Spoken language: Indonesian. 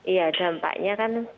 ya dampaknya kan